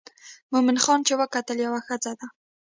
مومن خان چې وکتل یوه ښځه ده.